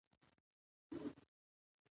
د جبار کاکا په غم کې ځان شريک ګنم.